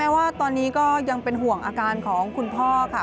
ว่าตอนนี้ก็ยังเป็นห่วงอาการของคุณพ่อค่ะ